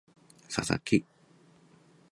佐々木千隼